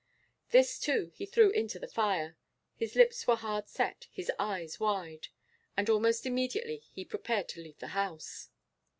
This too he threw into the fire. His lips were hard set, his eyes wide. And almost immediately he prepared to leave the house.